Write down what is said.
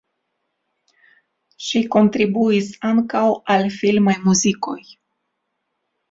Ŝi kontribuis ankaŭ al filmaj muzikoj.